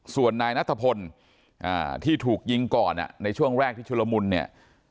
ส่วนนายนัทพลที่ถูกยิงก่อนในช่วงแรกที่ชุลมุนเนี่ย